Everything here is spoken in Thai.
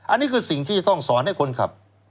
อันนี้คือสิ่งที่จะต้องสอนให้คนขับ